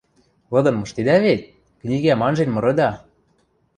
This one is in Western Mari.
— Лыдын мыштедӓ вет, книгӓм анжен мырыда: